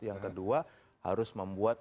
yang kedua harus membuat